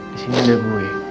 di sini ada gue